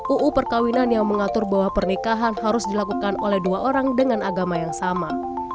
uu perkawinan yang mengatur bahwa pernikahan harus dilakukan oleh dua orang dengan agama yang sama